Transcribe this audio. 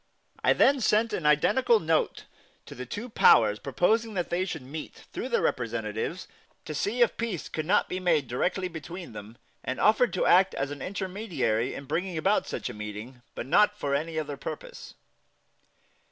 I then sent an identical note to the two powers proposing that they should meet, through their representatives, to see if peace could not be made directly between them, and offered to act as an intermediary in bringing about such a meeting, but not for any other purpose.